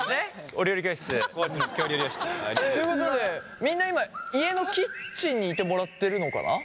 お料理教室。ということでみんな今家のキッチンにいてもらってるのかな？